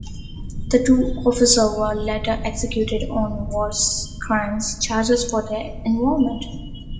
The two officers were later executed on war crimes charges for their involvement.